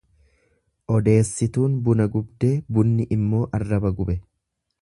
Odeessituun buna gubdee bunni immoo arraba gube.